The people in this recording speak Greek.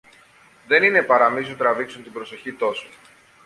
δεν είναι παρά μη σου τραβήξουν την προσοχή τόσο